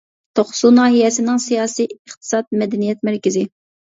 توقسۇ ناھىيەسىنىڭ سىياسىي، ئىقتىساد، مەدەنىيەت مەركىزى.